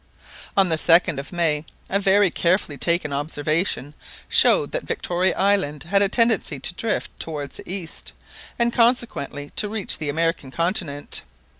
On the 2d of May a very carefully taken observation showed that Victoria Island had a tendency to drift towards the east, and consequently to reach the American continent.